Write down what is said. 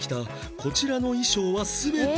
こちらの衣装は全て私服